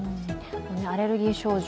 アレルギー症状